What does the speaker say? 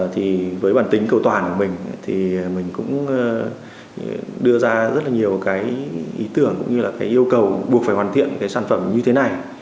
thì với bản tính cầu toàn của mình thì mình cũng đưa ra rất là nhiều cái ý tưởng cũng như là cái yêu cầu buộc phải hoàn thiện cái sản phẩm như thế này